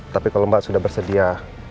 tapi kalau mbak sudah bersedia